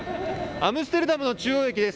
アムステルダムの中央駅です。